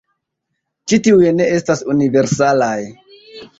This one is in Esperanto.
Ĉi tiuj ne estas universalaj.